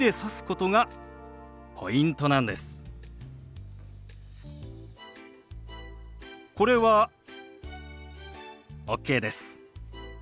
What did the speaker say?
これはＯＫです。